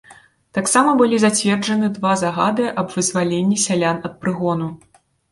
Таксама былі зацверджаны два загады аб вызваленні сялян ад прыгону.